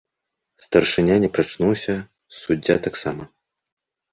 Старшыня не прачнуўся, суддзя таксама.